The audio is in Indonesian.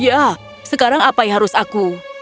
ya sekarang apa yang harus aku